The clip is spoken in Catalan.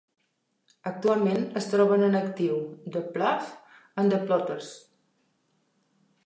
Actualment, es troben en actiu The Plough i The Potters.